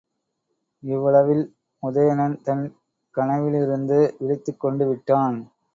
இவ்வளவில் உதயணன் தன் கனவிலிருந்து விழித்துக் கொண்டுவிட்டான்.